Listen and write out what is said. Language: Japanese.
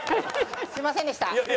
すみませんでした。